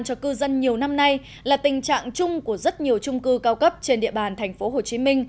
cho cư dân nhiều năm nay là tình trạng chung của rất nhiều trung cư cao cấp trên địa bàn tp hcm